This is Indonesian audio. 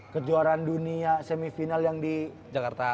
kejuaraan dunia semifinal yang di jakarta